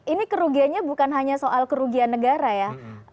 ini kerugiannya bukan hanya soal kerugian negara ya